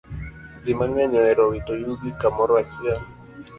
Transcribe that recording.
Ji mang'eny ohero wito yugi kamoro achiel.